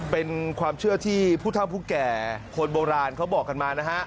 เป็นความเชื่อที่ผู้เท่าผู้แก่คนโบราณเขาบอกกันมานะฮะ